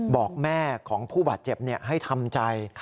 บอกแม่ของผู้บาดเจ็บให้ทำใจ